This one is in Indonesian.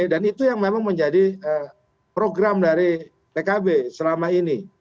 dan itu yang memang menjadi program dari pkb selama ini